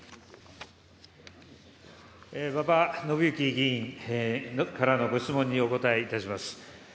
馬場伸幸議員からのご質問にお答えいたします。